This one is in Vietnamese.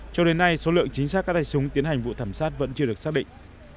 cho đến nay số lượng chính xác các tay súng tiến hành vụ thảm sát vẫn chưa được xác định